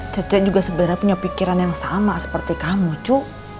cece juga sebenarnya punya pikiran yang sama seperti kamu cu